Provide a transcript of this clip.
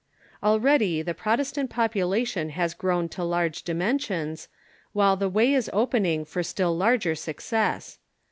Already tlie Protestant population has grown to large dimensions, while the way is opening for still larger suc cess.